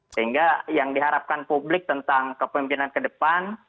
sehingga yang diharapkan publik tentang kepemimpinan ke depan